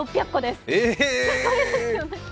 すごいですよね。